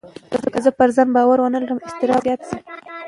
که زه پر ځان باور ونه لرم، اضطراب به زیات شي.